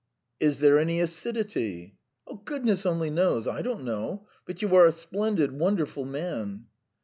"Is there any acidity?" "Goodness only knows, I don't know. But you are a splendid, wonderful man!"